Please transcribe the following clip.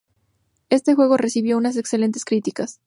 Este juego recibió unas excelentes críticas.